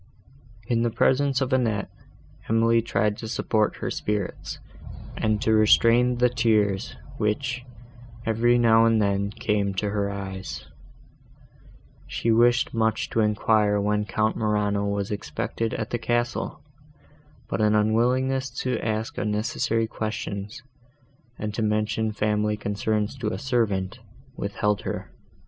In the presence of Annette, Emily tried to support her spirits, and to restrain the tears, which, every now and then, came to her eyes. She wished much to enquire when Count Morano was expected at the castle, but an unwillingness to ask unnecessary questions, and to mention family concerns to a servant, withheld her.